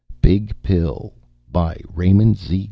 BIG PILL By RAYMOND Z.